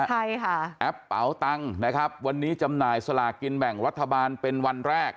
ใช่ค่ะแอปเป๋าตังค์นะครับวันนี้จำหน่ายสลากินแบ่งรัฐบาลเป็นวันแรก